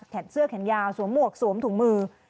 เสื้อแขนยาวสวมหมวกสวมถุงมือ